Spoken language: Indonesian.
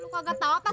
kau nggak tahu kan